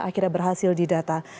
akhirnya berhasil didata